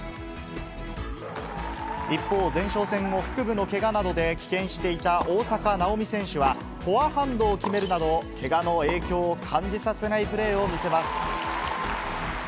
一方、前哨戦を腹部のけがなどで棄権していた大坂なおみ選手は、フォアハンドを決めるなど、けがの影響を感じさせないプレーを見せます。